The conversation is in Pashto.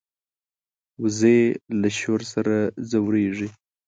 وزې له شور سره ځورېږي